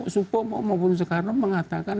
supomo maupun sekarang mengatakan